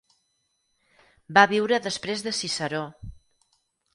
Va viure després de Ciceró.